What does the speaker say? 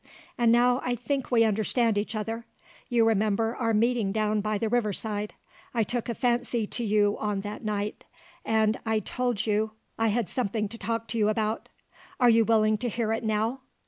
And now I think we understand each other. You remember our meeting down by the river side: I took a fancy to you on that night, and I told you I had something to talk to you about. Are you willing to hear it now?